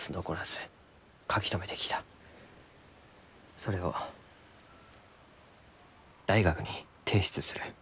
それを大学に提出する。